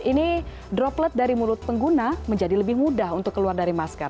ini droplet dari mulut pengguna menjadi lebih mudah untuk keluar dari masker